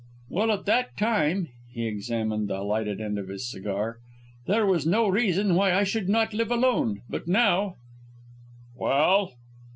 "Well, at that time " he examined the lighted end of his cigar "there was no reason why I should not live alone. But now " "Well?"